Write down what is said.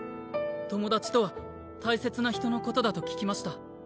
友達とは大切な人のことだと聞きました。